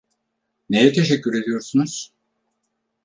Neye teşekkür ediyorsunuz?